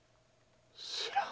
知らん。